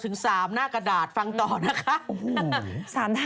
ถึง๓หน้ากระดาษฟังต่อนะคะ